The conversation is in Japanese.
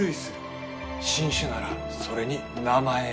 新種ならそれに名前を付ける。